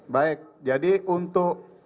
baik jadi untuk